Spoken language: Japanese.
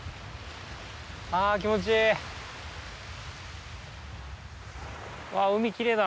あぁ、気持ちいい！